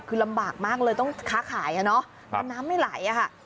คือลำบากมากเลยต้องค้าขายอ่ะเนอะมันน้ำไม่ไหลอะค่ะ